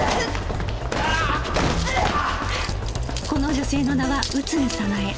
この女性の名は内海早苗